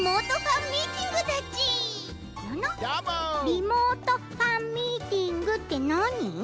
リモートファンミーティングってなに？